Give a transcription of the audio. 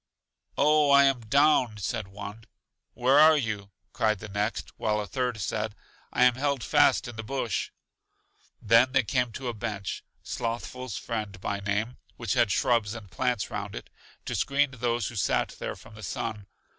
Oh, I am down! said one. Where are you? cried the next; while a third said, I am held fast in the bush! Then they came to a bench, Slothful's Friend by name, which had shrubs and plants round it, to screen those who sat there from the sun.